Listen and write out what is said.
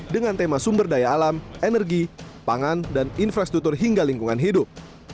dengan tema sumber daya alam energi pangan dan infrastruktur hingga lingkungan hidup